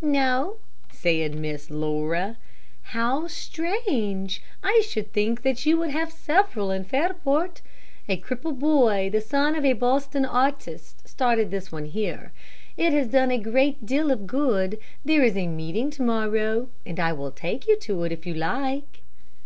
"No," said Miss Laura. "How strange! I should think that you would have several in Fairport. A cripple boy, the son of a Boston artist, started this one here. It has done a great deal of good. There is a meeting to morrow, and I will take you to it if you like."